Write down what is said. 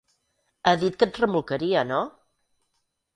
Ha dit que et remolcaria, no?